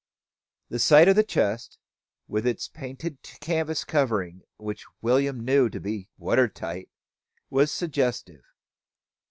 The sight of the chest, with its painted canvas covering, which Little William knew to be water tight, was suggestive.